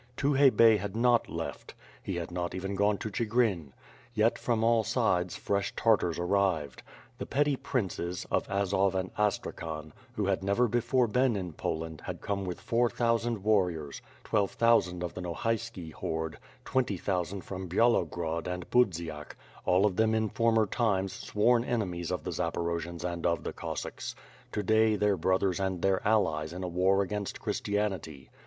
Tukhay Bey had not left. He had not even gone to Chigrin. Yet, from all sides fresh Tartars arrived. The petty princes, of Azov and Astrakhan, who had never before been in Poland had come with four thousand warriors, twelve thousand of the Nohayski horde, twenty thousand from Byalogrod and Budziak, all of them in former times sworn enemies of the Zaporojians and of the Cossacks; to day their brothers and their allies in a war against Christianity.